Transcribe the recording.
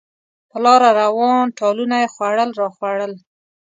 په لاره روان، ټالونه یې خوړل راخوړل.